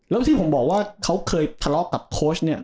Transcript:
แล้วที่ผมบอกว่าเขาเคยทะเลาะกับโค้ชเนี่ย